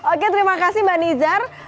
oke terima kasih mbak nizar